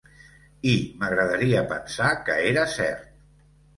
I m"agradaria pensar que era cert!